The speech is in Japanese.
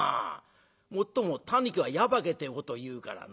もっともタヌキは八化けってことをいうからな。